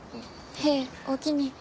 へえおおきに。